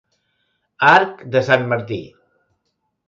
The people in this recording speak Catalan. Arc de sant Martí.